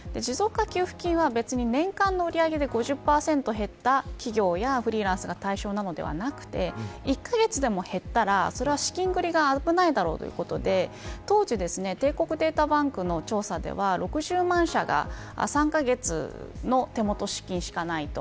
持続化給付金は年間の売り上げで５０％減った企業やフリーランスが対象なのではなくて１カ月でも減ったらそれは資金繰りが危ないだろうということで当時帝国データバンクの調査では６０万社が３カ月の手元資金しかないと。